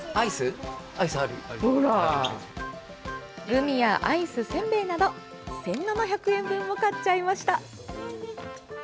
グミやアイスせんべいなど１７００円分も買っちゃいました。